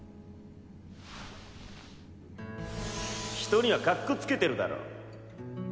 人にはカッコつけてるだろ？